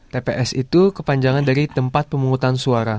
tps itu kepanjangan dari tempat pemungutan suara